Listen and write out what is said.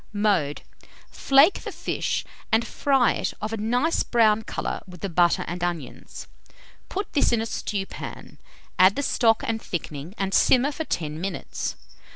Mode. Flake the fish, and fry it of a nice brown colour with the butter and onions; put this in a stewpan, add the stock and thickening, and simmer for 10 minutes.